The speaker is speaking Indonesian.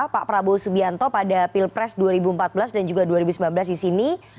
pak prabowo subianto pada pilpres dua ribu empat belas dan juga dua ribu sembilan belas di sini